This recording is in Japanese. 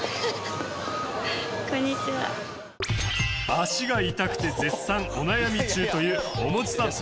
足が痛くて絶賛お悩み中というおもちさん。